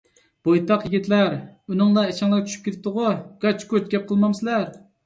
بويتاق يىگىتلەر، ئۈنۈڭلار ئىچىڭلىگە چۈشۈپ كېتپىتىغۇ؟ گاچ-گۇچ گەپ قىلمامسىلەر؟